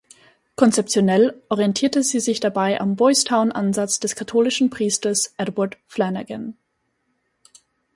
Konzeptionell orientierte sie sich dabei am Boys-Town-Ansatz des katholischen Priesters Edward Flanagan.